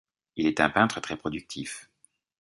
Il est un peintre très productif.